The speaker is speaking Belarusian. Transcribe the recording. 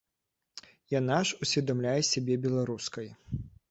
Яна ж усведамляе сябе беларускай.